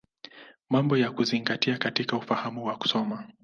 Mambo ya Kuzingatia katika Ufahamu wa Kusoma.